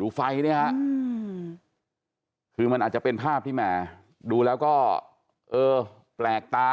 ดูไฟเนี่ยฮะคือมันอาจจะเป็นภาพที่แหมดูแล้วก็เออแปลกตา